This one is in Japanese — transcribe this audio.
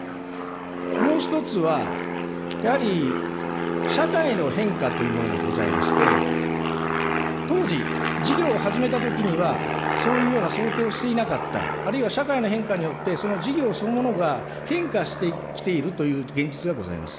もう一つは、やはり、社会の変化というものがございまして、当時、事業を始めたときにはそういうような想定をしていなかった、あるいは社会の変化によって、その事業そのものが変化してきているという現実がございます。